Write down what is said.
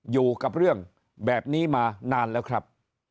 อยู่กับเรื่องแบบนี้มานานแล้วครับ